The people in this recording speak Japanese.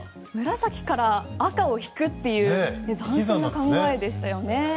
紫から赤を引くっていう斬新な考えでしたよね。